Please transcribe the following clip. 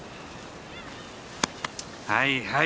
はいはい！